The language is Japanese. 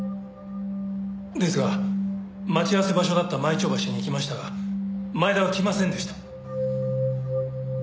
ですが待ち合わせ場所だった舞澄橋に行きましたが前田は来ませんでした。